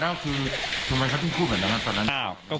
ทำไมถ้าพูดเหมือนละครับตอนนั้น